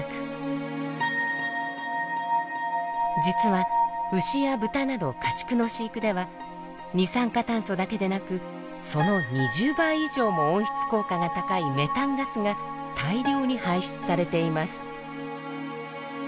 実は牛や豚など家畜の飼育では二酸化炭素だけでなくその２０倍以上も温室効果が高いメタンガスが大量に排出されています。